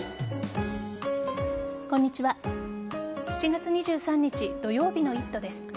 ７月２３日土曜日の「イット！」です。